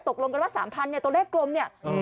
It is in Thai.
สุดท้ายตกลงกันว่า๓๐๐๐ตัวเลขกลมเนี่ย